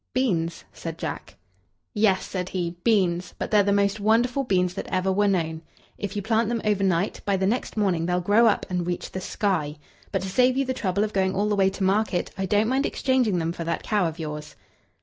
"Beans," said Jack. "Yes," said he, "beans, but they're the most wonderful beans that ever were known. If you plant them overnight, by the next morning they'll grow up and reach the sky. But to save you the trouble of going all the way to market, I don't mind exchanging them for that cow of yours."